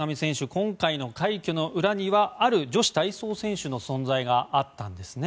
今回の快挙の裏にはある女子体操選手の存在があったんですね。